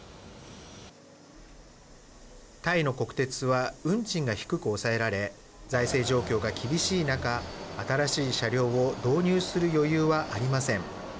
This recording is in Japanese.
タイの国鉄は運賃が低く抑えられ財政状況が厳しい中新しい車両を導入する余裕はありません。